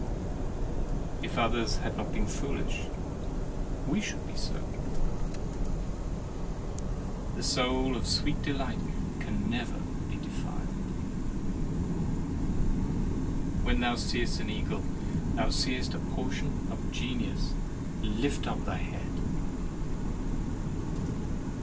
If others had not been foolish we should have been so. The soul of sweet delight can never be defiled. When thou seest an eagle, thou seest a portion of Genius. Lift up thy head!